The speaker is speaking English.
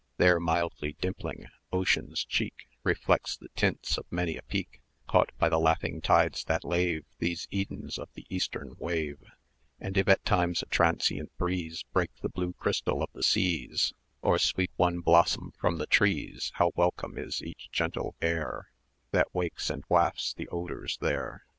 There mildly dimpling, Ocean's cheek Reflects the tints of many a peak Caught by the laughing tides that lave These Edens of the eastern wave: And if at times a transient breeze Break the blue crystal of the seas, Or sweep one blossom from the trees, How welcome is each gentle air That wakes and wafts the odours there!